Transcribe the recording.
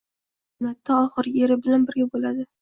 Ayol jannatda oxirgi eri bilan birga boʻladi...